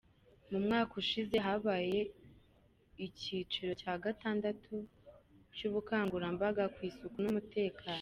Mu mwaka ushize habaye icyiciro cya gatandatu cy’ubukangurambaga ku isuku n’umutekano.